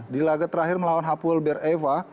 di laga terakhir melawan hapuel ber eva